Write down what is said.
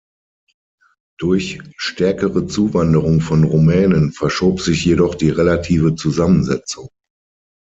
Durch stärkere Zuwanderung von Rumänen verschob sich jedoch die relative Zusammensetzung.